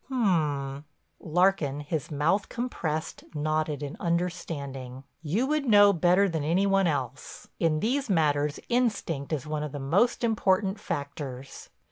"Um," Larkin, his mouth compressed, nodded in understanding. "You would know better than any one else. In these matters instinct is one of the most important factors."